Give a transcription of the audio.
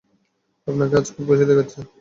আপনাকে আজ খুব খুশি দেখা যাচ্ছে।